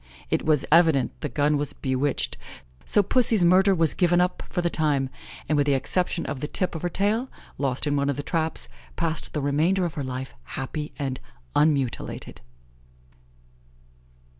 It was evident the gun was bewitched, so Pussy's murder was given up for the time, and, with the exception of the tip of her tail, lost in one of the traps, passed the remainder of her life happy and unmutilated.